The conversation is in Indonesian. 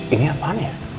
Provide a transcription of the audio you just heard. ini apaan ya